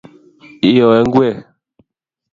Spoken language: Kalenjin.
iyoi ngwek